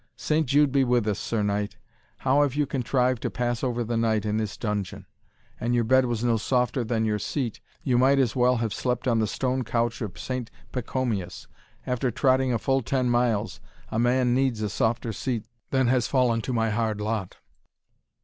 Saint Jude be with us, Sir Knight, how have you contrived to pass over the night in this dungeon? An your bed was no softer than your seat, you might as well have slept on the stone couch of Saint Pacomius. After trotting a full ten miles, a man needs a softer seat than has fallen to my hard lot."